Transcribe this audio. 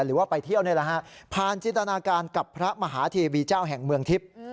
หรือว่าไปเที่ยวนี่แหละฮะผ่านจินตนาการกับพระมหาเทวีเจ้าแห่งเมืองทิพย์